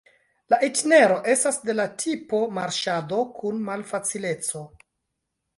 La itinero estas de la tipo marŝado kun malfacileco.